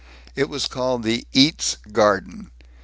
It was called the Eats Garden.